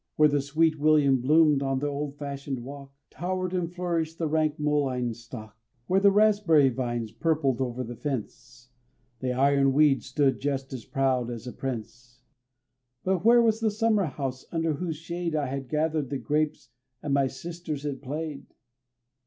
Where the sweet william bloomed on the old fashioned walk, Towered and flourished the rank mullein stalk, Where the raspberry vines purpled over the fence, The iron weed stood just as proud as a prince; But where was the summer house under whose shade I had gathered the grapes and my sisters had played?